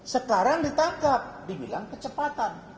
sekarang ditangkap dibilang kecepatan